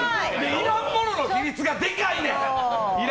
いらんものの比率が高いねん。